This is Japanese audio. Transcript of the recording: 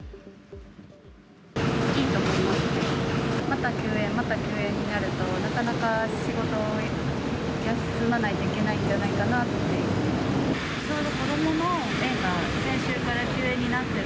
また休園、また休園になると、なかなか仕事休まないといけないんじゃないかなって。